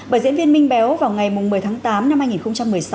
bởi diễn viên minh béo vào ngày một mươi tháng tám năm hai nghìn một mươi sáu